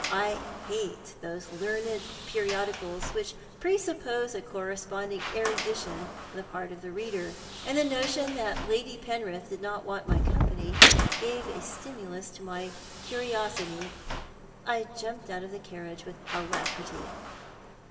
I hate those learned periodicals which presuppose a corresponding erudition on the part of the reader : and the notion that Lady Penrith did not want my company gave a stimulus to my curiosity. I jumped out of the carriage with alacrity.